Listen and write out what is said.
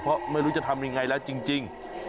เพราะไม่รู้จะทำยังไงแล้วจริง